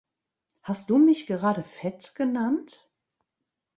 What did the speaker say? Hast du mich gerade fett genannt?